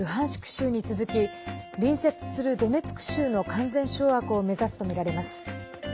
州に続き隣接するドネツク州の完全掌握を目指すとみられます。